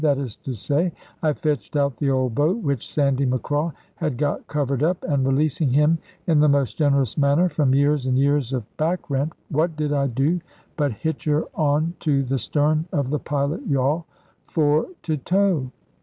That is to say, I fetched out the old boat, which Sandy Macraw had got covered up; and releasing him in the most generous manner from years and years of backrent, what did I do but hitch her on to the stern of the pilot yawl, for to tow?